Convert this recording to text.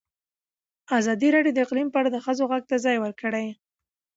ازادي راډیو د اقلیم په اړه د ښځو غږ ته ځای ورکړی.